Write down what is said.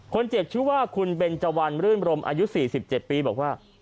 คนเจ็บชื่อว่าคุณเบนเจวันรื่นบรมอายุ๔๗ปีบอกว่า